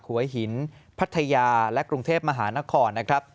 หัวหินพัทยาและกรุงเทพมหานครนะครับ